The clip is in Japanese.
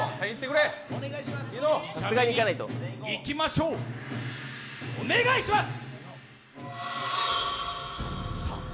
いきましょう、お願いします！